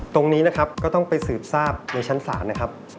ตรงนี้นะครับก็ต้องไปสืบทราบในชั้นศาลนะครับ